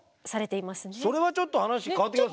それはちょっと話変わってきますね。